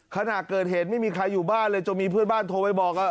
ขณะเกิดเหตุไม่มีใครอยู่บ้านเลยจนมีเพื่อนบ้านโทรไปบอก